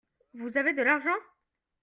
Vous avez de l'argent ?